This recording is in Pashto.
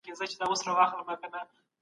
پوهان د ټولني د رڼا څراغونه دي.